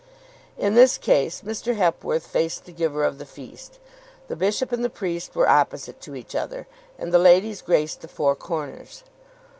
In this case Mr. Hepworth faced the giver of the feast, the bishop and the priest were opposite to each other, and the ladies graced the four corners.